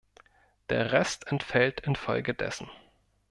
Der Rest entfällt infolgedessen.